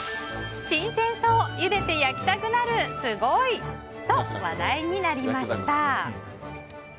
新鮮そう、ゆでて焼きたくなるすごい！と話題になりました。